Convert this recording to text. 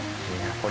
これ。